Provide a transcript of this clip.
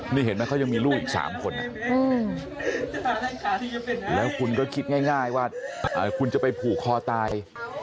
นี่เห็นไหมเขายังมีลูกอีก๓คนแล้วคุณก็คิดง่ายว่าคุณจะไปผูกคอตาย